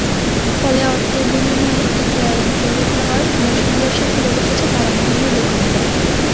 ফলে অর্থের বিনিময়ে ইটিআইএন করে দেওয়ার মৌসুমি ব্যবসা খুলে বসেছে পাড়া-মহল্লার দোকানিরা।